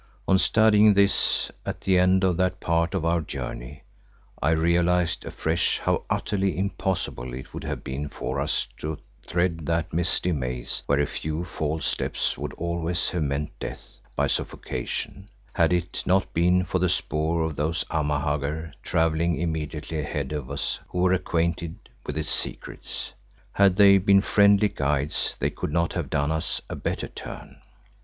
On studying this at the end of that part of our journey I realised afresh how utterly impossible it would have been for us to thread that misty maze where a few false steps would always have meant death by suffocation, had it not been for the spoor of those Amahagger travelling immediately ahead of us who were acquainted with its secrets. Had they been friendly guides they could not have done us a better turn.